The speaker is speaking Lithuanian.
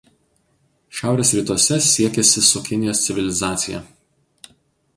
Šiaurės rytuose siekėsi su Kinijos civilizacija.